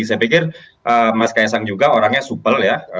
saya pikir mas ks sang juga orangnya supel ya